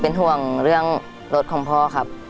เป็นห่วงเรื่องรถของพ่อครับ